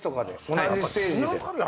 同じステージで。